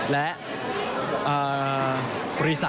และ